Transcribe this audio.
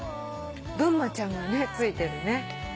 ぐんまちゃんがついてるね。